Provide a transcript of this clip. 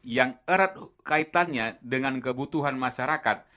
yang erat kaitannya dengan kebutuhan masyarakat